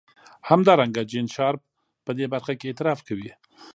همدارنګه جین شارپ په دې برخه کې اعتراف کوي.